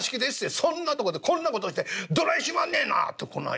そんなとこでこんな事してどないしまんねんな！』ってこない